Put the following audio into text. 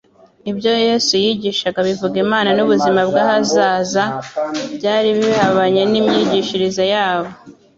ibyo Yesu yigishaga bivuga Imana n'ubuzima bw'ahazaza byari bihabanye n'imyigishirize yabo.